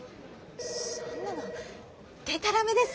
そんなのでたらめです。